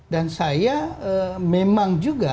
dan saya memang juga